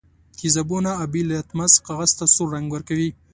تیزابونه آبي لتمس کاغذ ته سور رنګ ورکوي.